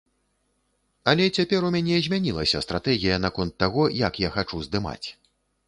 Але цяпер у мяне змянілася стратэгія наконт таго, як я хачу здымаць.